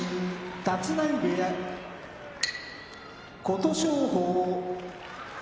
立浪部屋琴勝峰